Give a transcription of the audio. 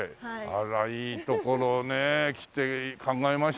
あらいい所ね来て考えましたね。